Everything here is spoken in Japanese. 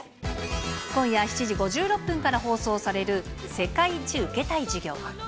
今夜７時５６分から放送される、世界一受けたい授業。